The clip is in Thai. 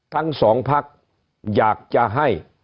ทั้งสองพักอยากจะให้